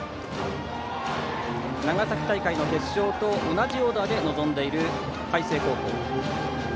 長崎大会の決勝と同じオーダーで臨んでいる海星高校。